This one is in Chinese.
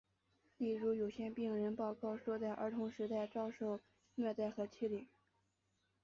例如有些病人报告说在儿童时代曾遭受虐待和欺凌。